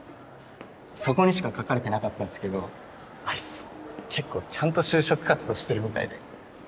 そこにしか書かれてなかったんすけどあいつ結構ちゃんと就職活動してるみたいで。